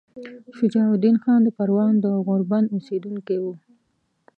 شجاع الدین خان د پروان د غوربند اوسیدونکی وو.